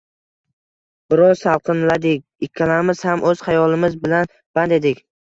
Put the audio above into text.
Biroz salqinladik. Ikkalamiz ham oʻz xayolimiz bilan band edik.